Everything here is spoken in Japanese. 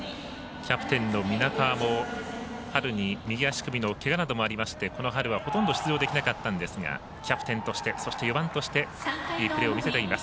キャプテンの皆川も春に右足首のけがなどもありましてこの春はほとんど出場できなかったんですがキャプテンとしてそして４番としていいプレーを見せています。